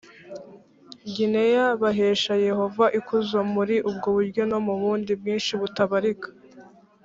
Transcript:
gineya bahesha yehova ikuzo muri ubwo buryo no mu bundi bwinshi butabarika